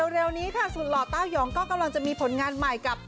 เร็วนี้ค่ะสุดหล่อเต้ายองก็กำลังจะมีผลงานใหม่กับ